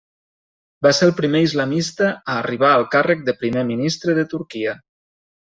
Va ser el primer islamista a arribar al càrrec de primer ministre de Turquia.